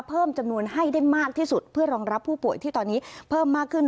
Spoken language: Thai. เพิ่มจำนวนให้ได้มากที่สุดเพื่อรองรับผู้ป่วยที่ตอนนี้เพิ่มมากขึ้น